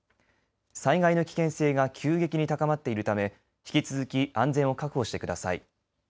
災害の危険性が急激に高まっているため引き続き安全を確保してください。